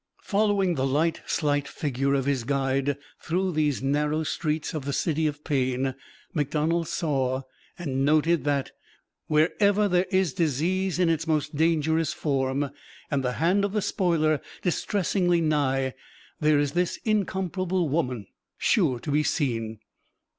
Following the light, slight figure of his guide through these narrow streets of the City of Pain, McDonald saw and noted that "Wherever there is disease in its most dangerous form, and the hand of the Spoiler distressingly nigh, there is this incomparable woman sure to be seen.